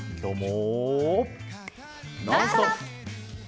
「ノンストップ！」。